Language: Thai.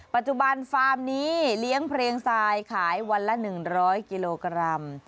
ปัจจุบันฟาร์มนี้เลี้ยงเพลงทรายขายวันละ๑๐๐กิโลกรัม